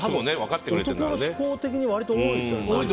男の思考的に割と多いと思うんですよ。